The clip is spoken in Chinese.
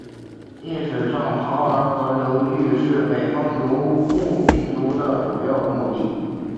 历史上洮儿河流域是北方游牧民族的主要牧地。